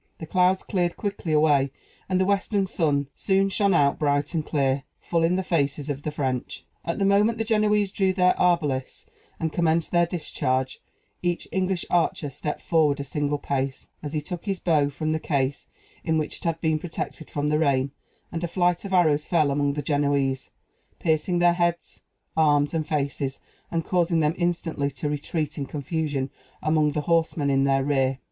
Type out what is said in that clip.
The clouds cleared quickly away, and the western sun soon shone out bright and clear, full in the faces of the French. At the moment the Genoese drew their arbalists, and commenced their discharge, each English archer stepped forward a single pace, as he took his bow from the case in which it had been protected from the rain; and a flight of arrows fell among the Genoese, piercing their heads, arms, and faces, and causing them instantly to retreat in confusion among the horsemen in their rear.